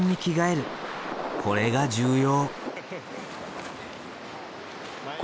これが重要。